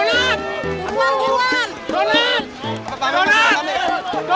bapak irbatin ya pak ustadz